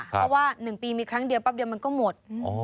เพราะว่า๑ปีมีครั้งเดียวแป๊บเดียวมันก็หมด